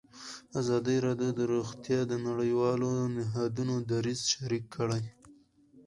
ازادي راډیو د روغتیا د نړیوالو نهادونو دریځ شریک کړی.